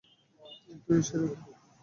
আর তুইও সেরকম।